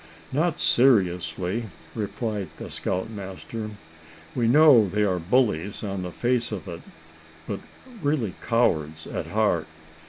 "Not seriously," replied the scoutmaster. "We know they are bullies on the face of it, but really cowards at heart.